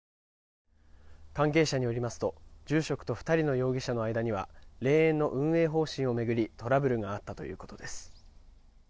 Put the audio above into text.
関係者によりますと住職と２人の容疑者の間には霊園の運営方針を巡りトラブルがあったということです。